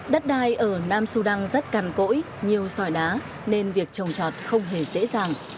đất đai ở nam sudan rất cằn cỗi nhiều sỏi đá nên việc trồng trọt không hề dễ dàng